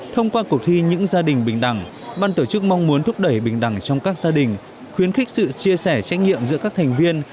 thông qua cuộc thi những gia đình bình đẳng ban tổ chức mong muốn thúc đẩy bình đẳng trong các gia đình khuyến khích sự chia sẻ trách nhiệm giữa các thành viên